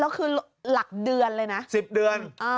แล้วคือหลักเดือนเลยนะ